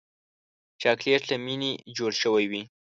چاکلېټ له مینې جوړ شوی وي.